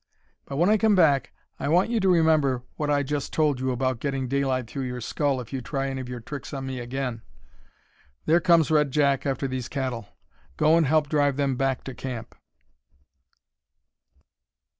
When I come back I want you to remember what I just told you about getting daylight through your skull if you try any of your tricks on me again. There comes Red Jack after these cattle. Go and help drive them back to camp."